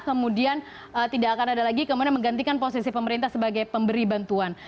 kemudian tidak akan ada lagi kemudian menggantikan posisi pemerintah sebagai pemberi bantuan